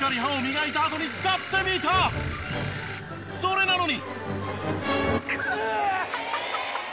それなのに。